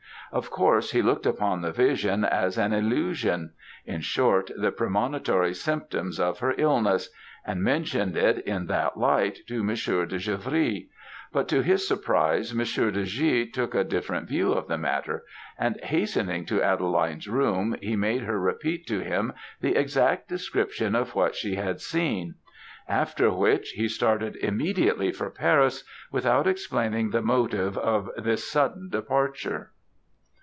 Of course, he looked upon the vision as an illusion; in short, the premonitory symptoms of her illness, and mentioned it in that light, to Monsieur de Givry. But to his surprise, Monsieur de G. took a different view of the matter; and hastening to Adeline's room, he made her repeat to him the exact description of what she had seen; after which, he started immediately for Paris, without explaining the motive of this sudden departure.